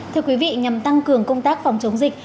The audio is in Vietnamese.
thưa quý vị nhằm tăng cường công tác phòng chống dịch